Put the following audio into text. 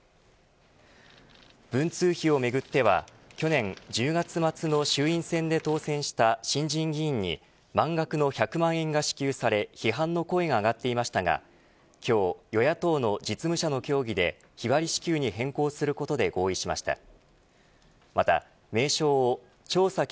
文通費をめぐっては去年１０月末の衆院選で当選した新人議員に満額の１００万円が支給され批判の声が上がっていましたが今日、与野党の実務者の協議で日割り支給に変更することで合意しました。